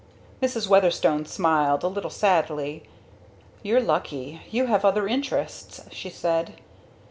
Mrs. Weatherstone smiled, a little sadly. "You're lucky, you have other interests," she said.